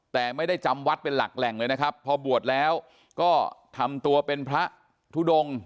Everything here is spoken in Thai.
แต่ไม่ได้จำวัดเป็นหลักแหล่งเลยนะครับพอบวชแล้วก็ทำตัวเป็นพระทุดง